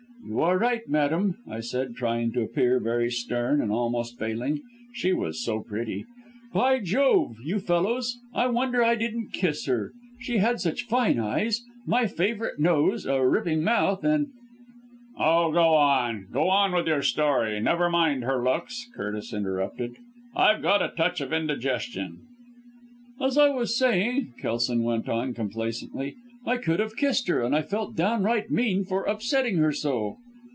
"'You are right, madam,' I said, trying to appear very stern and almost failing, she was so pretty. By Jove! you fellows, I wonder I didn't kiss her; she had such fine eyes, my favourite nose, a ripping mouth and " "Oh! go on! go on with your story. Never mind her looks," Curtis interrupted, "I've got a touch of indigestion." "As I was saying," Kelson went on complacently, "I could have kissed her and I felt downright mean for upsetting her so.